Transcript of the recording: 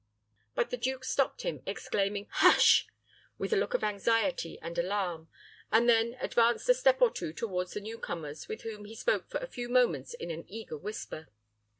But the duke stopped him, exclaiming, "Hush!" with a look of anxiety and alarm, and then advanced a step or two toward the newcomers, with whom he spoke for a few moments in an eager whisper.